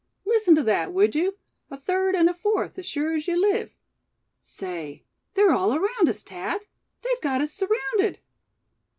listen to that, would you, a third and a fourth, as sure as you live! Say, they're all around us, Thad; they've got us surrounded!"